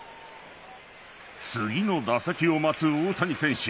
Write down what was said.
次の打席を待つ大谷選手。